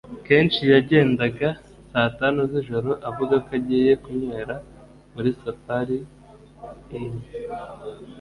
kenshi yagendaga saa tanu z’ijoro avuga ko agiye kunywera muri safari inn,